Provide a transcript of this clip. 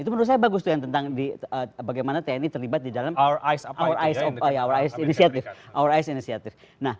itu menurut saya bagus tentang bagaimana tni terlibat di dalam our eyes initiative